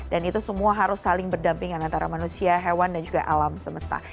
dan itu semua harus saling berdampingan antara manusia hewan dan juga alam semesta